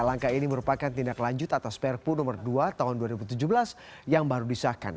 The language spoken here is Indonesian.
langkah ini merupakan tindak lanjut atas perpu nomor dua tahun dua ribu tujuh belas yang baru disahkan